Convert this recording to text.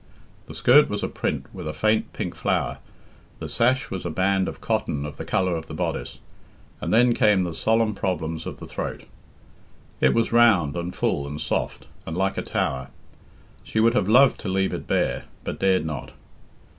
The skirt was a print, with a faint pink flower, the sash was a band of cotton of the colour of the bodice, and then came the solemn problems of the throat. It was round, and full, and soft, and like a tower. She would have loved to leave it bare, but dared not.